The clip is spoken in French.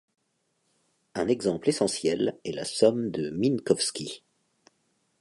Un exemple essentiel est la somme de Minkowski.